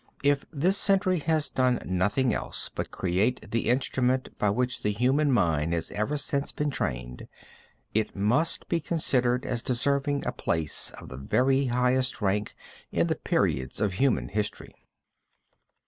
If this century had done nothing else but create the instrument by which the human mind has ever since been trained, it must be considered as deserving a place of the very highest rank in the periods of human history.